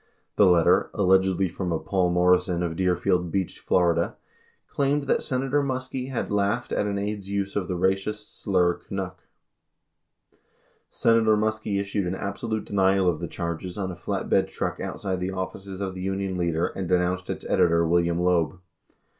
94 The letter, allegedly from a "Paul Morrison" of Deerfield Beach, Fla., claimed that Senator Muskie had laughed at an aide's use of the racist slur "Canuck." 95 Senator Muskie issued an absolute denial of the charges on a flatbed truck outside the offices of the Union Leader and denounced its editor, William Loeb.